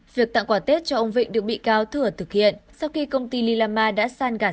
việc tặng quả tết cho ông vịnh được bị cao thừa thực hiện sau khi công ty lilama đã san gạt